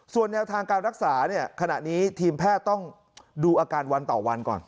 ส่วนแนวทางการรักษาเนี่ยขณะนี้ทีมแพทย์ต้องดูอาการวันต่อวันก่อน